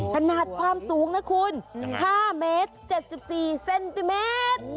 ขนาดความสูงนะคุณ๕เมตร๗๔เซนติเมตร